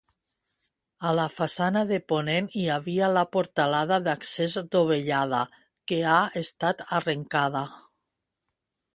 A la façana de ponent hi havia la portalada d'accés dovellada que ha estat arrencada.